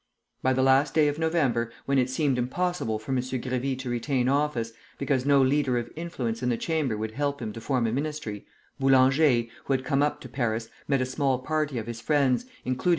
By the last day of November, when it seemed impossible for M. Grévy to retain office, because no leader of influence in the Chamber would help him to form a ministry, Boulanger, who had come up to Paris, met a small party of his friends, including M.